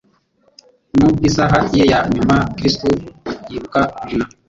Mu isaha ye ya nyuma, Kristo yibuka nyina.